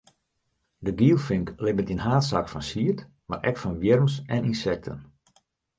De gielfink libbet yn haadsaak fan sied, mar ek fan wjirms en ynsekten.